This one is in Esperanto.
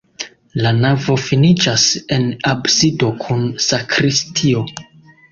La navo finiĝas en absido kun sakristio.